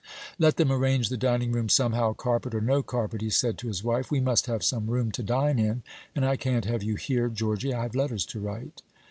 "Let them arrange the dining room somehow, carpet or no carpet," he said to his wife. "We must have some room to dine in; and I can't have you here, Georgy; I have letters to write."